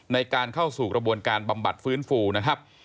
ในการเข้าสู่กระบวนการบำบัดฟื้นฟูนะครับ